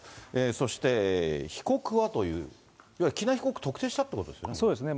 そして被告はという、いわゆる喜納被告を特定したということですね。